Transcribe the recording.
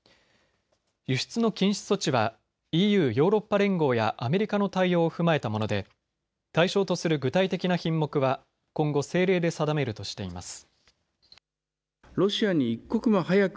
輸出の禁止措置はＥＵ・ヨーロッパ連合やアメリカの対応を踏まえたもので対象とする具体的な品目は今後、政令で定めるとしています。